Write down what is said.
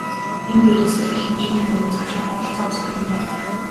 Энэ дээрээс л их хэмжээний мөнгө завших бололцоо үүсдэг юм байна.